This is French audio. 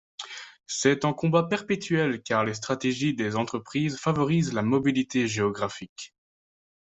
C'est un combat perpétuel car les stratégies des entreprises favorisent la mobilité géographique.